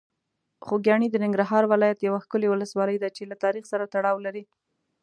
خوږیاڼي د ننګرهار ولایت یوه ښکلي ولسوالۍ ده چې له تاریخ سره تړاو لري.